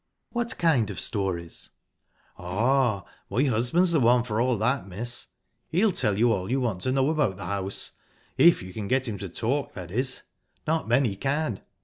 "What kind of stories?" "Ah, my husband's the one for all that, miss. He'll tell you all you want to know about the house if you can get him to talk, that is. Not many can.